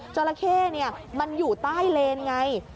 จราเข้มันอยู่ใต้เลนไง